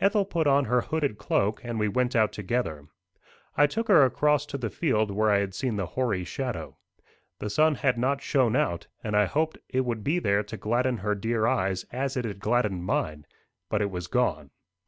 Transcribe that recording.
Ethel put on her hooded cloak, and we went out together. I took her across to the field where I had seen the hoary shadow. The sun had not shone out, and I hoped it would be there to gladden her dear eyes as it had gladdened mine; but it was gone.